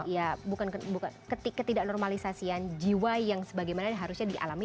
ya bukan ketidak normalisasian jiwa yang sebagaimana harusnya dialami